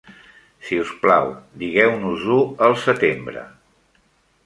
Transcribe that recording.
Si us plau, digueu-nos-ho al setembre.